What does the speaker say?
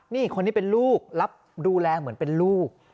นี่คนนี้เป็นลูกรับดูแลเหมือนเป็นลูก